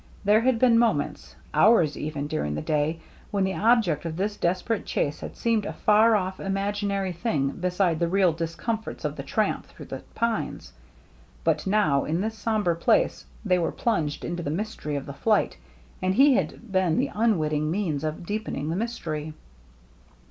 There had been mo THE GINGHAM DRESS 281 ments — hours, even — during the day when the object of this desperate chase had seemed a far ofF, imaginary thing beside the real dis comforts of the tramp through the pines. But now, in this sombre place, they were plunged into the mystery of the flight, and he had been the unwitting means of deepening the mystery.